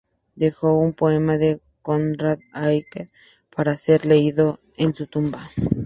Dejó un poema de Conrad Aiken para ser leído en su tumba.